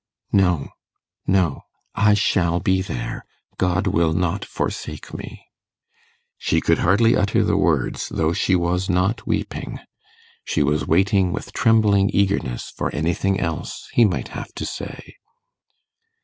'No ... no ... I shall be there ... God will not forsake me.' She could hardly utter the words, though she was not weeping. She was waiting with trembling eagerness for anything else he might have to say.